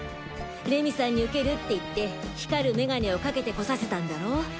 礼美さんにウケるって言って光る眼鏡をかけて来させたんだろ？